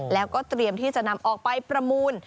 แล้วก็เตรียมที่จะนำออกไปประมูล